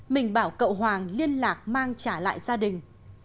mình bảo cậu hoàng liên lạc mang trả lại gia đình